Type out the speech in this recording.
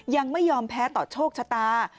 ยังไม่ยอมแพ้ต่อโชคชะตา